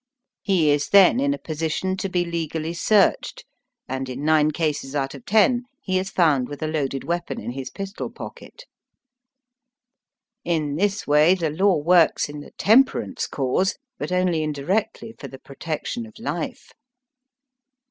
He is then in a position to be legally Digitized by VjOOQIC LIFE AND DEATH IN THE FAR WEST. 63 searched, and in nine cases out of ten he is found with a loaded weapon in his pistol pocket. In this way the law works in the temperance cause, hut only indirectly for the protection of life.